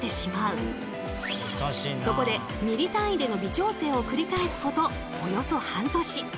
そこでミリ単位での微調整を繰り返すことおよそ半年。